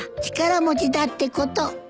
力持ちだってこと。